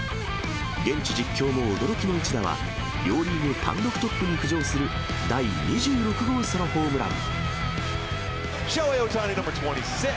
現地実況も驚きの一打は両リーグ単独トップに浮上する第２６号ソロホームラン。